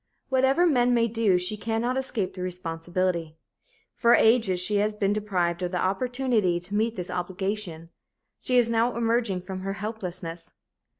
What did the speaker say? Whatever men may do, she cannot escape the responsibility. For ages she has been deprived of the opportunity to meet this obligation. She is now emerging from her helplessness.